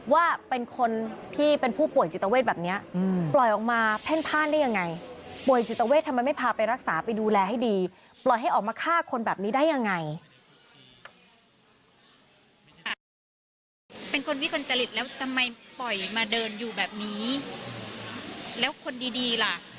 ว่าเป็นคนที่เป็นผู้ป่วยจิตเตอร์เวศแบบนี้